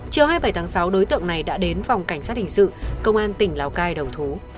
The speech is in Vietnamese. chiều hai mươi bảy tháng sáu đối tượng này đã đến phòng cảnh sát hình sự công an tỉnh lào cai đầu thú